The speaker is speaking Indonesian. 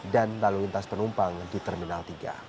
dan lalu lintas penumpang di terminal tiga